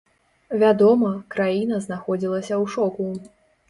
Вядома, краіна знаходзілася ў шоку.